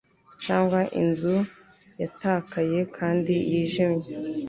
Cyangwa inzu yatakaye kandi yijimye